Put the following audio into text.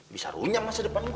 bisa runyam masa depan aku